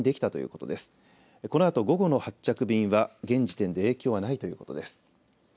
このあと午後の発着便は現時点で影響はないということです。